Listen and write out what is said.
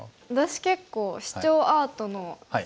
私結構シチョウアートの作品とか。